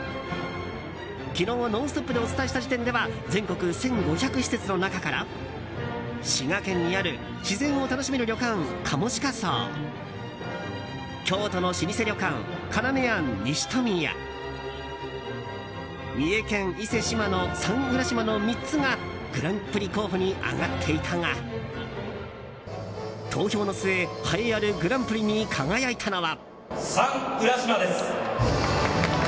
昨日、「ノンストップ！」でお伝えした時点では全国１５００施設の中から滋賀県にある自然を楽しめる旅館、かもしか荘京都の老舗旅館、要庵西富家三重県伊勢志摩のサン浦島の３つがグランプリ候補に挙がっていたが投票の末、栄えあるグランプリに輝いたのは。